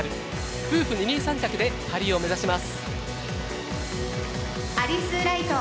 夫婦二人三脚でパリを目指します。